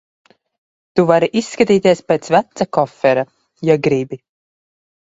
Tu vari izskatīties pēc veca kofera, ja gribi.